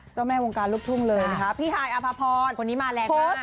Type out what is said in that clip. เจ้าแม่วงการลูกทุ่งเลยนะคะพี่ฮายอภพรคนนี้มาแรงมาก